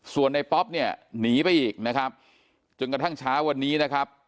ส่วนในป๊อปเนี่ยหนีไปอีกนะครับจนกระทั่งเช้าวันนี้นะครับ